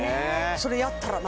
それやったらな